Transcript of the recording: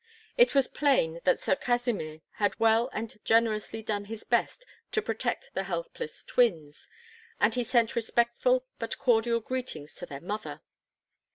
It was plain that Sir Kasimir had well and generously done his best to protect the helpless twins, and he sent respectful but cordial greetings to their mother.